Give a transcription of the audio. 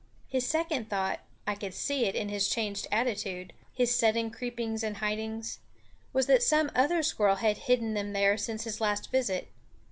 His second thought I could see it in his changed attitude, his sudden creepings and hidings was that some other squirrel had hidden them there since his last visit.